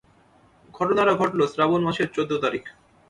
ঘটনাটা ঘটল শ্রাবণ মাসের চোদ্দ তারিখ।